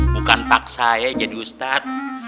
bukan paksa ya jadi ustadz